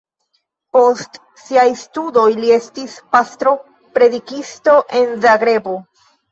Post siaj studoj li estis pastro-predikisto en Zagrebo.